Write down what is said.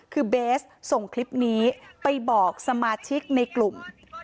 คือเบสส่งคลิปนี้ไปบอกสมาชิกในกลุ่ม